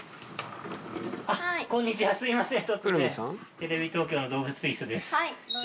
テレビ東京の『どうぶつピース！！』です。